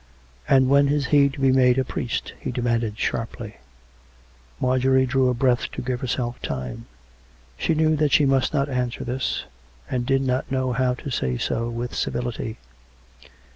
" And when is he to be made priest ?" he demanded sharply. Marjorie drew a breath to give herself time; she knew COME RACK! COME ROPE! 211 that she must not answer this; and did not know how to say so with civility.